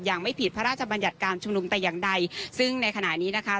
ไม่ผิดพระราชบัญญัติการชุมนุมแต่อย่างใดซึ่งในขณะนี้นะคะ